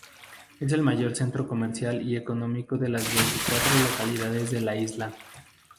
Es el mayor centro comercial y económico de las veinticuatro localidades de la isla.